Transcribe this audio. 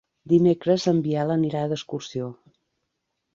Dimecres en Biel anirà d'excursió.